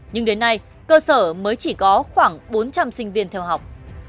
nhưng đến nay cơ sở mới chỉ có khoảng bốn trăm linh sinh viên theo học